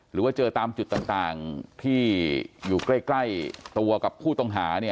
หรือว่าเจอตามจุดต่างที่อยู่ใกล้ตัวกับผู้ต้องหา